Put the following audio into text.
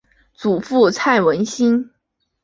祖父蔡文兴。